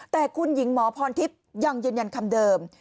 แต่คุณหญิงหมอพรทิพย์ยังยืนยันคำเดิม